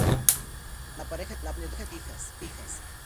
La pareja tiene dos hijas.